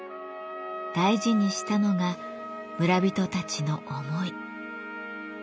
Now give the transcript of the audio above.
大事にしたのが村人たちの思い。